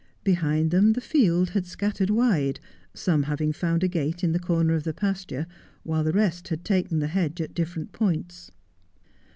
Behind them the field had scattered wide, some having found a gate in the corner of the pasture, while the rest had taken the hedge at different points.